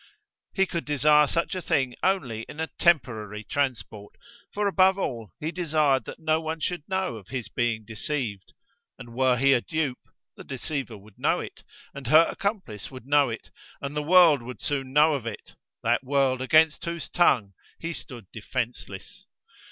He could desire such a thing only in a temporary transport; for above all he desired that no one should know of his being deceived; and were he a dupe the deceiver would know it, and her accomplice would know it, and the world would soon know of it: that world against whose tongue he stood defenceless.